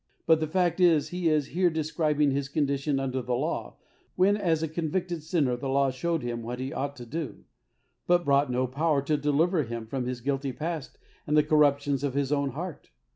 but the fact is, he is hen describing his condition under the law, when, as a convicteC sinner, the law showed him what he ought to do, but brought no power to deliver him from his guilty past and the corruptions of his own heart.